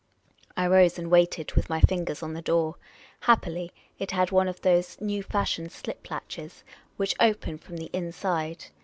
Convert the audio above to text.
I rose and waited, with my fingers on the door. Happily it had one of those new fa.shioned .slip latches which open from the inside.